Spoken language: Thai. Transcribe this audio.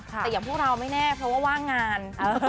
แต่อย่างพวกเราไม่แน่เพราะว่าว่างงาน